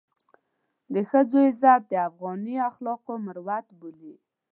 د ښځو عزت د افغاني اخلاقو مروت بولي.